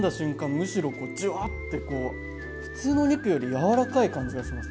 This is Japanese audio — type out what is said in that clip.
むしろジュワッてこう普通のお肉よりやわらかい感じがします